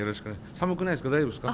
寒くないですか？